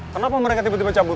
kenapa mereka tiba tiba cabut